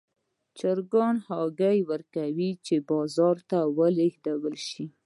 چرګان هګۍ ورکوي چې بازار ته ولېږدول شي.